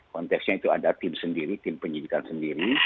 konteksnya itu ada tim sendiri tim penyidikan sendiri